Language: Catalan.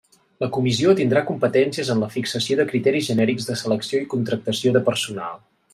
La Comissió tindrà competències en la fixació de criteris genèrics de selecció i contractació de personal.